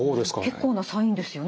結構なサインですよね。